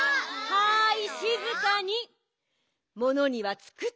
はい！